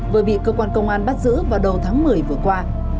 vừa bị cơ quan công an bắt giữ vào đầu tháng một mươi vừa qua